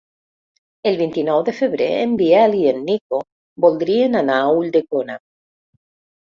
El vint-i-nou de febrer en Biel i en Nico voldrien anar a Ulldecona.